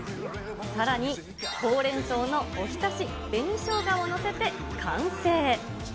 さらに、ほうれん草のお浸し、紅しょうがを載せて完成。